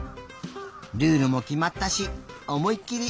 ルールもきまったしおもいきり